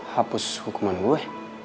hapus hukuman gue